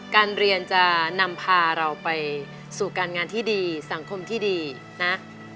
การเรียนจะนำพาเราไปสู่การงานที่ดีสังคมที่ดีนะ